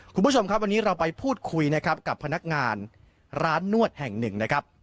คุณผู้ชมครับวันนี้เราไปพูดคุยนะครับกับพนักงานร้านนวดแห่งหนึ่งนะครับ